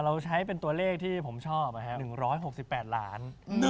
เราใช้เป็นตัวเลขที่ผมชอบ๑๖๘ล้าน